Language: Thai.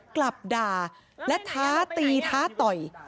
กลับด่าและท้าตีท้าต่อย